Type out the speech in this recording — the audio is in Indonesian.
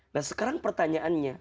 nah sekarang pertanyaannya